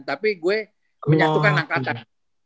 tapi gue menyatukan angkatan